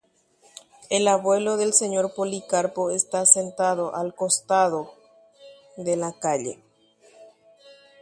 Tape yképe oguapyhína karai Policarpo amyrỹi.